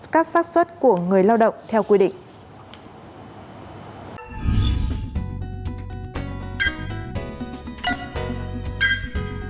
các sát xuất của người lao động theo quy định